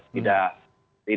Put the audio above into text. tidak ada larangan